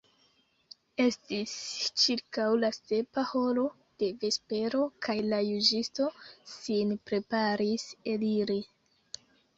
Estis ĉirkaŭ la sepa horo de vespero, kaj la juĝisto sin preparis eliri.